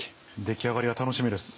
出来上がりが楽しみです。